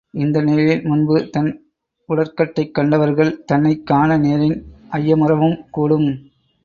இந்த நிலையில் முன்பு தன் உடற்கட்டைக் கண்டவர்கள் தன்னைக் காண நேரின் ஐயமுறவும் கூடும்.